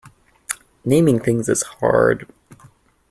Naming things is hard.